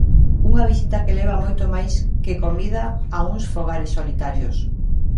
Unha visita que leva moito máis que comida a uns fogares solitarios.